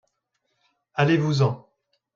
allez-vous en.